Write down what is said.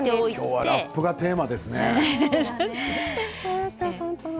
今日はラップがテーマですね。